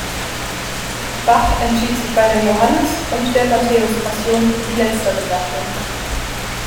Bach entschied sich bei der "Johannes-" und der "Matthäus-Passion" für die letztere Gattung.